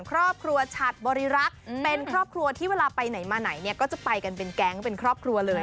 ครอบครัวฉัดบริรักษ์เป็นครอบครัวที่เวลาไปไหนมาไหนเนี่ยก็จะไปกันเป็นแก๊งเป็นครอบครัวเลย